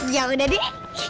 ya udah deh